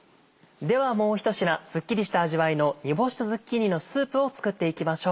ではもう一品スッキリした味わいの煮干しとズッキーニのスープを作っていきましょう。